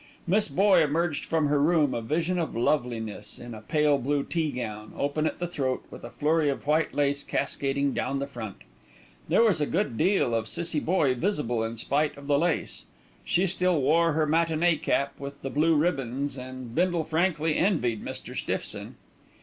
Miss Boye emerged from her room, a vision of loveliness in a pale blue teagown, open at the throat, with a flurry of white lace cascading down the front. There was a good deal of Cissie Boye visible in spite of the lace. She still wore her matinée cap with the blue ribbons, and Bindle frankly envied Mr. Stiffson.